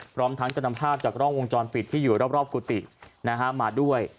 พร้อมทั้งจะนำภาพจากกล้องวงจรปิดที่อยู่รอบกุฏิมาด้วย